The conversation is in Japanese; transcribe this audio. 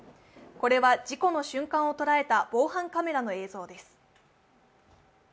これは事故の瞬間を捉えた防犯カメラの映像です。